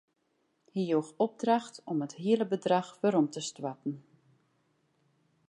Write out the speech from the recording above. Hy joech opdracht om it hiele bedrach werom te stoarten.